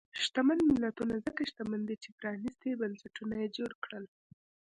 شتمن ملتونه ځکه شتمن دي چې پرانیستي بنسټونه یې جوړ کړل.